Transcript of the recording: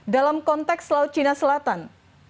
dalam konteks laut cina selatan